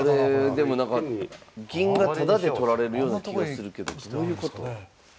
銀がタダで取られるような気がするけどどういうこと？